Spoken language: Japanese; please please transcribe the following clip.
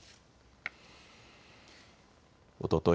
おととい